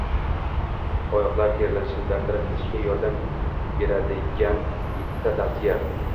Oyoqlar terlashini bartaraf etishga yordam beradiganyettitavsiya